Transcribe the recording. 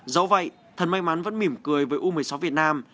dẫu vậy thật may mắn vẫn mỉm cười với u một mươi sáu việt nam